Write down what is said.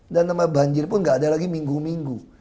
dan nama banjir pun nggak ada lagi minggu minggu